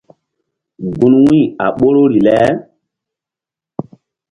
Gun wu̧y a ɓoruri le.